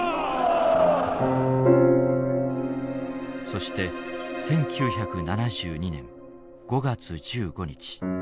そして１９７２年５月１５日。